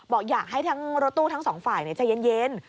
บอกอยากให้ทั้งรถตู้ทั้งสองฝ่ายใจเย็น